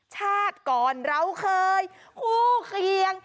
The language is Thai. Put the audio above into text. ชาติก่อนเราเคยคู่เคียง